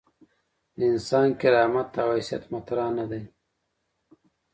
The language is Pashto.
د انسان کرامت او حیثیت مطرح نه دي.